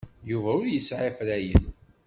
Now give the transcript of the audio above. Yuba ur yesɛi afrayen.